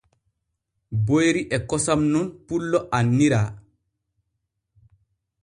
Boyri e kosam nun pullo anniara.